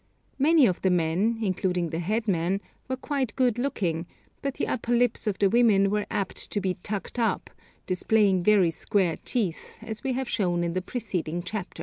Many of the men, including the headman, were quite good looking, but the upper lips of the women were apt to be 'tucked up,' displaying very square teeth, as we have shown in the preceding chapter.